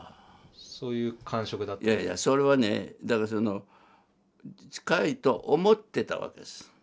いやいやそれはねだからその近いと思ってたわけです。